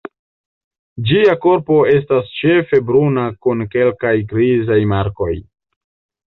Ĝia korpo estas ĉefe bruna kun kelkaj grizaj markoj.